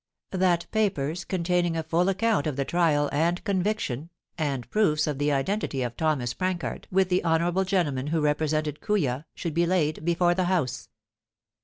That papers containing a full account of the trial and conviction, and proofs of the identity of Thomas Prancard with the honourable gentleman who represented Kooya, should be laid before the House.